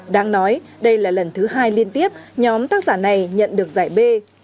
đáng nói đây là lần thứ hai liên tiếp nhóm tác giả này nhận được giải b